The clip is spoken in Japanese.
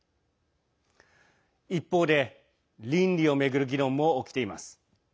一方で、倫理を巡る議論も起きています。